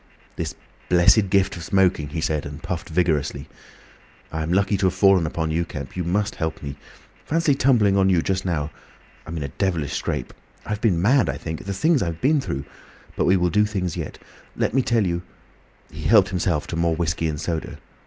"This blessed gift of smoking!" he said, and puffed vigorously. "I'm lucky to have fallen upon you, Kemp. You must help me. Fancy tumbling on you just now! I'm in a devilish scrape—I've been mad, I think. The things I have been through! But we will do things yet. Let me tell you—" He helped himself to more whiskey and soda.